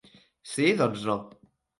Si doncs no.